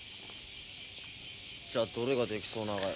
じゃどれができそうながよ？